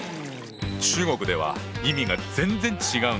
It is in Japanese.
中国では意味が全然違うんだ。